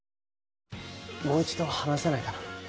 もう一度、話せないかな。